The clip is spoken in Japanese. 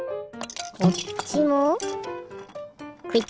こっちもクイッと。